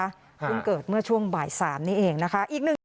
เพิ่งเกิดเมื่อช่วงบ่าย๓นี้เองนะคะ